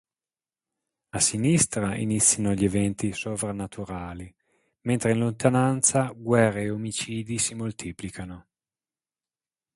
A sinistra iniziano gli eventi sovrannaturali, mentre in lontananza guerre e omicidi si moltiplicano.